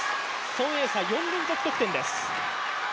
孫エイ莎、４連続得点です。